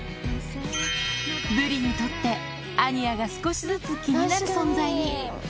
ぶりにとって、アニヤが少しずつ気になる存在に。